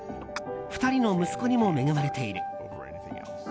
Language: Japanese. ２人の息子にも恵まれている。